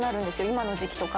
今の時期とか。